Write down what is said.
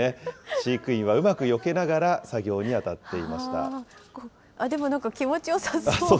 飼育員はうまくよけながら作業にでもなんか、気持ちよさそう。